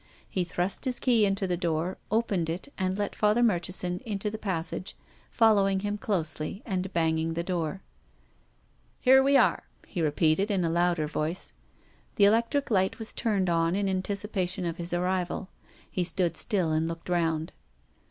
He thrust his key into the door, opened it and let Father Murchison into the passage, following him closely and banging the door. " Here wc are !" he repeated in a louder voice. The electric light was turned on in anticipation of his arrival. He stood still and looked round.